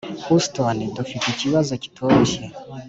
houston, dufite ikibazo kitoroshye.